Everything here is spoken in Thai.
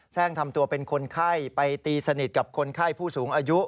่งทำตัวเป็นคนไข้ไปตีสนิทกับคนไข้ผู้สูงอายุ